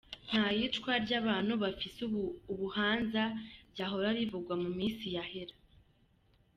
Nta yicwa ry'abantu bafise ubuhanza ryahora rivugwa mu misi yahera.